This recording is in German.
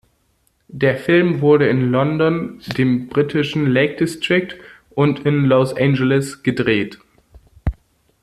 Der Film wurde in London, dem britischen Lake District und in Los Angeles gedreht.